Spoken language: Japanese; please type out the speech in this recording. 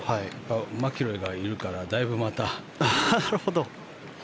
マキロイがいるからだいぶまた。